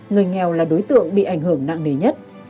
người nghèo là đối tượng bị ảnh hưởng nặng nề nhất